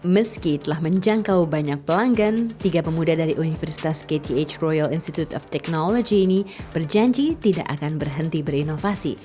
meski telah menjangkau banyak pelanggan tiga pemuda dari universitas kth royal institute of technology ini berjanji tidak akan berhenti berinovasi